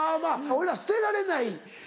俺は捨てられない。